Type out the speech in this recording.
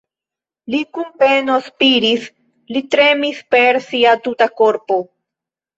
Li kun peno spiris, li tremis per sia tuta korpo.